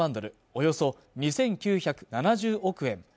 およそ２９７０億円